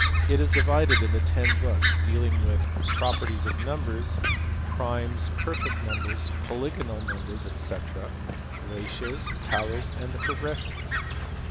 It is divided into ten books dealing with properties of numbers, primes, perfect numbers, polygonal numbers, &c., ratios, powers, and the progressions.